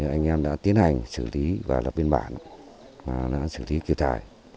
anh em đã tiến hành xử lý và lập biên bản xử lý kiểu trải